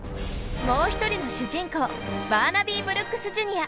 もう一人の主人公バーナビー・ブルックスＪｒ．。